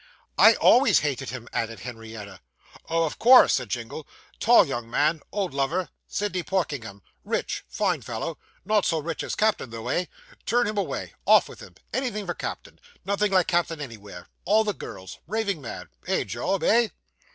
'I always hated him,' added Henrietta. 'Oh, of course,' said Jingle. 'Tall young man old lover Sidney Porkenham rich fine fellow not so rich as captain, though, eh? turn him away off with him anything for captain nothing like captain anywhere all the girls raving mad eh, Job, eh?